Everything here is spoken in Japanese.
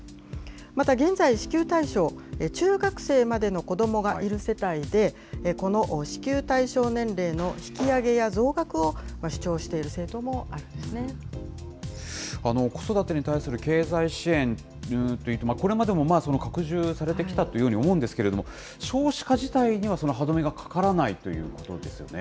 また現在、支給対象、中学生までの子どもがいる世帯で、この支給対象年齢の引き上げや増額を主張している政党もあるんであの、子育てに対する経済支援というと、これまでも拡充されてきたというふうに思うんですけれども、少子化自体にはその歯止めがかからないということですね。